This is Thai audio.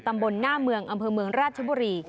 ตำบลหน้าเมืองอำเภอเมืองราชบุรี